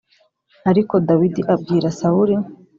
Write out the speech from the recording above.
Ariko Dawidi abwira Sawuli